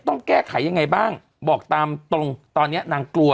ต้องแก้ไขยังไงบ้างบอกตามตรงตอนนี้นางกลัว